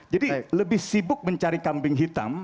jadi lebih sibuk mencari kambing hitam